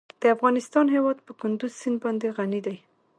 د افغانستان هیواد په کندز سیند باندې غني دی.